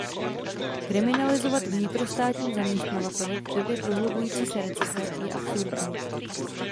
Kriminalizovat vnitrostátní zaměstnavatele v době prohlubující se recese je absurdní.